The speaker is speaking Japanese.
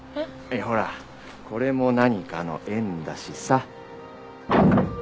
いやほらこれも何かの縁だしさ。